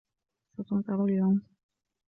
ستمطر اليوم.